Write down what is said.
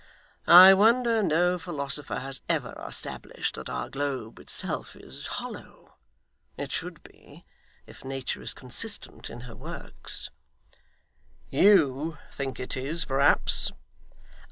I wonder no philosopher has ever established that our globe itself is hollow. It should be, if Nature is consistent in her works.' 'YOU think it is, perhaps?